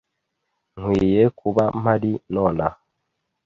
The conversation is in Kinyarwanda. Nkwiye kuba mpari nonaha.